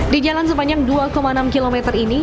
di jalan sepanjang dua enam km ini